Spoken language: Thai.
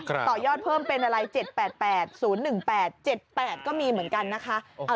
ต่อยอดเพิ่มเป็นอะไร๗๘๘๐๑๘๗๘ก็มีเหมือนกันนะคะ